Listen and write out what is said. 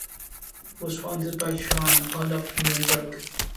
It was founded by Johan Olof Nyberg.